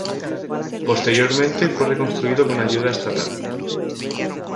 Posteriormente fue reconstruido con ayuda estatal.